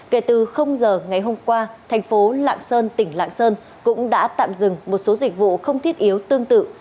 kể từ giờ ngày hôm qua thành phố lạng sơn tỉnh lạng sơn cũng đã tạm dừng một số dịch vụ không thiết yếu tương tự